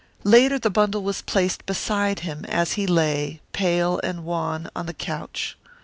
Later the bundle was placed beside him as he lay, pale and wan, on the couch.